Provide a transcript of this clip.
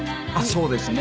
そうですか。